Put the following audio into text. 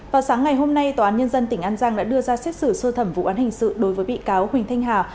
vào sáng ngày hôm nay tòa án nhân dân tỉnh an giang đã đưa ra xét xử sơ thẩm vụ án hình sự đối với bị cáo huỳnh thanh hà